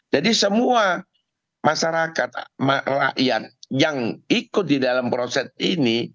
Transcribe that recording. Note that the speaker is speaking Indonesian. jadi semua masyarakat rakyat yang ikut di dalam proses ini